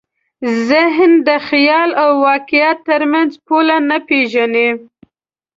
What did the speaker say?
ذهن د خیال او واقعیت تر منځ پوله نه پېژني.